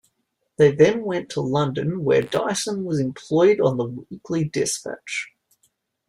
They then went to London where Dyson was employed on the "Weekly Despatch".